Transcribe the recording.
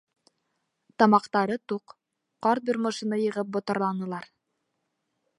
Тамаҡтары туҡ: ҡарт бер мышыны йығып ботарланылар.